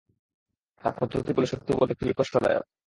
তার পদ্ধতিগুলো, সত্যি বলতে, খুবই কষ্টদায়ক।